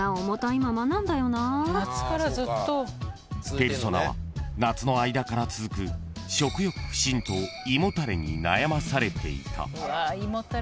［ペルソナは夏の間から続く食欲不振と胃もたれに悩まされていた］